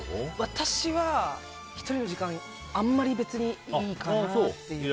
私は、１人の時間あんまり別にいいかなっていう。